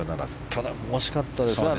ただ、惜しかったですね。